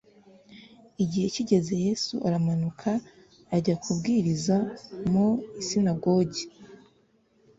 Igihe kigeze Yesu aramanuka ajya kubwiriza mu isinagogi